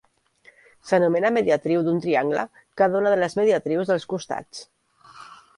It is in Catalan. S'anomena mediatriu d'un triangle cada una de les mediatrius dels costats.